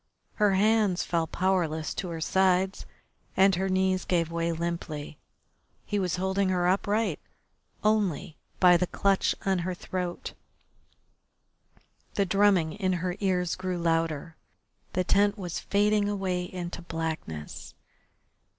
Her hands fell powerless to her sides and her knees gave way limply. He was holding her upright only by the clutch on her throat. The drumming in her ears grew louder, the tent was fading away into blackness.